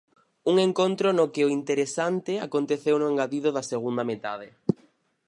Un encontro no que o interesante aconteceu no engadido da segunda metade.